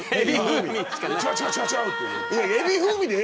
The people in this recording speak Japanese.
エビ風味。